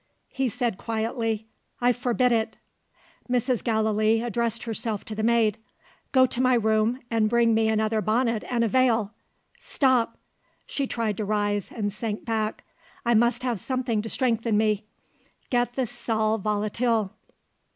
He said quietly, "I forbid it." Mrs. Gallilee addressed herself to the maid. "Go to my room, and bring me another bonnet and a veil. Stop!" She tried to rise, and sank back. "I must have something to strengthen me. Get the sal volatile."